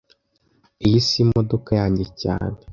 Iyi si imodoka yanjye cyane